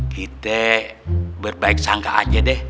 kita berbaik sangka aja deh